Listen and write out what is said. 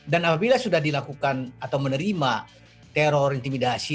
dan apabila sudah dilakukan atau menerima teror intimidasi